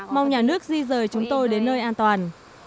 mong nhà nước di rời chúng tôi đến nơi an toàn